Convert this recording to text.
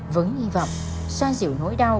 với hy vọng xoa dịu nỗi đau